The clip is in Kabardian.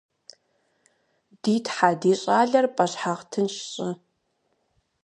Ди Тхьэ, ди щӏалэр пӏэщхьагъ тынш щӏы!